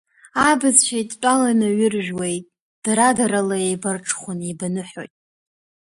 Абацәа еидтәаланы аҩы ржәуеит, дара-дарала еибарҽхәаны еибаныҳоит.